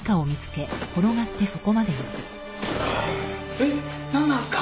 えっなんなんすか？